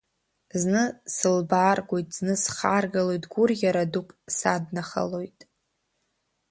Зны сылбааргоит, зны схаргалоит, гәырӷьара дук саднахалоит.